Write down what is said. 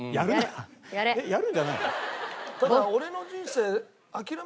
えっやるんじゃないの？